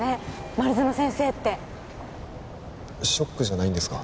丸園先生ってショックじゃないんですか？